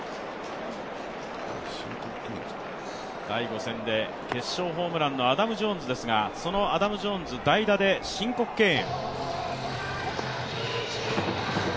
第５戦で決勝ホームランのアダム・ジョーンズですがそのアダム・ジョーンズ、代打で申告敬遠。